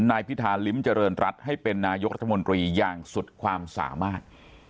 นายพิทารมิทำราชินาเยือนรัฐให้เป็นนายกรัฐมนตรีอย่างสุดความสามารถ